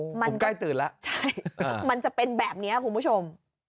มันใกล้ตื่นแล้วใช่มันจะเป็นแบบนี้คุณผู้ชม